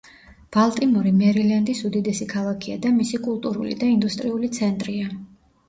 ბალტიმორი მერილენდის უდიდესი ქალაქია და მისი კულტურული და ინდუსტრიული ცენტრია.